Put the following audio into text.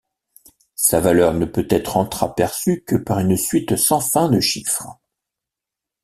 Sa valeur ne peut être entraperçue que par une suite sans fin de chiffres.